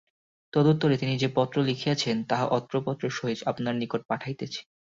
তদুত্তরে তিনি যে পত্র লিখিয়াছেন, তাহা অত্র পত্রের সহিত আপনার নিকট পাঠাইতেছি।